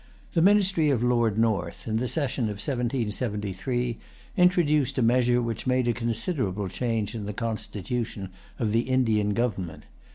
The ministry of Lord North, in the session of 1773, introduced a measure which made a considerable change in the constitution of the Indian government.